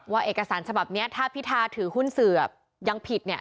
เอกสารฉบับนี้ถ้าพิธาถือหุ้นสื่อยังผิดเนี่ย